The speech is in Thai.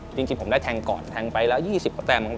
จริงผมได้แทงก่อนแทงไปแล้ว๒๐ประแตม